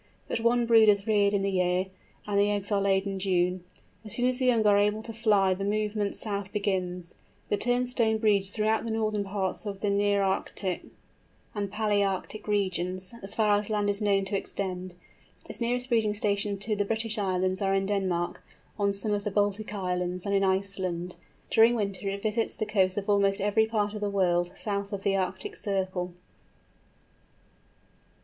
But one brood is reared in the year, and the eggs are laid in June. As soon as the young are able to fly the movement south begins. The Turnstone breeds throughout the northern parts of the Nearctic and Palæarctic regions, as far as land is known to extend. Its nearest breeding stations to the British Islands are in Denmark, on some of the Baltic Islands, and in Iceland. During winter it visits the coasts of almost every part of the world, south of the Arctic circle.